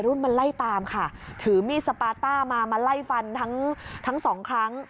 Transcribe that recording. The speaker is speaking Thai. รุ่นมันไล่ตามค่ะถือมีดสปาต้ามามาไล่ฟันทั้งทั้งสองครั้ง